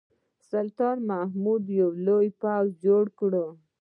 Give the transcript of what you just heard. سلطان محمود یو لوی پوځ جوړ کړ.